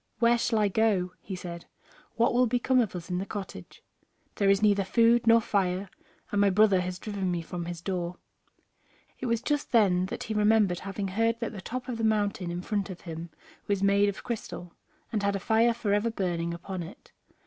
"Where shall I go?" he said; "what will become of us in the cottage? There is neither food nor fire, and my brother has driven me from his door." It was just then he remembered having heard that the top of the mountain in front of him was made of crystal, and had a fire forever burning upon it.